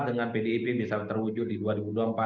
dengan pdip misalnya terwujud di dua ribu dua puluh empat